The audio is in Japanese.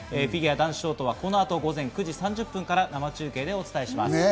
フィギュア男子ショートはこの後、午前９時３０分から生中継でお伝えします。